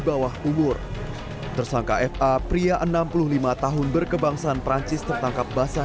bawah umur tersangka fa pria enam puluh lima tahun berkebangsaan perancis tertangkap basah